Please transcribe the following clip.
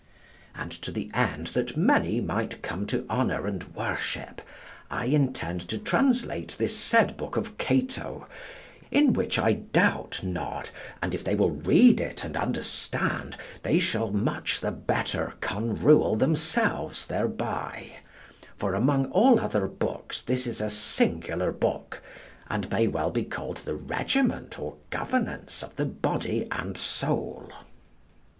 And to the end that many might come to honour and worship, I intend to translate this said book of Cato, in which I doubt not, and if they will read it and understand they shall much the better con rule themselves thereby; for among all other books this is a singular book, and may well be called the regiment or governance of the body and soul.